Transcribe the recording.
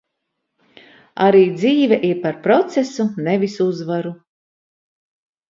Arī dzīve ir par procesu, nevis uzvaru.